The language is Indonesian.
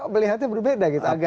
melihatnya berbeda gitu